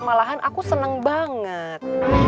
malahan aku senang banget